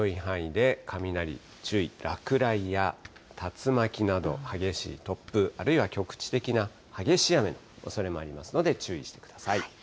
広い範囲で雷注意、落雷や竜巻など、激しい突風、あるいは局地的な激しい雨のおそれもありますので、注意してください。